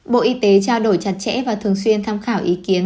bộ y tế trao đổi chặt chẽ và thường xuyên tham khảo ý kiến